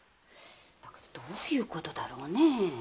どういうことだろねえ？